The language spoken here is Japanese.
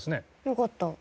良かった。